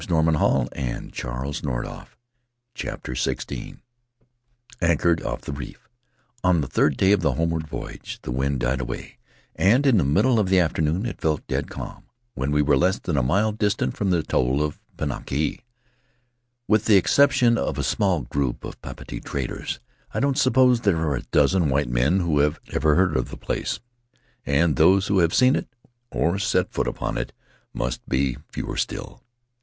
Now let us sleep." [3171 Becalmed at Pinaki CHAPTER XVI Anchored off the Reef N the third day of the homeward voyage the wind died away, and in the middle of the afternoon it fell dead calm when we were less than a mile distant from the atoll of Pinaki. With the exception of a small group of Papeete traders, I don't suppose there are a dozen white men who have ever heard of the place; and those who have seen it or set foot upon it must be fewer still.